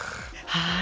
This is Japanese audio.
はい。